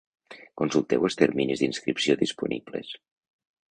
Consulteu els terminis d'inscripció disponibles.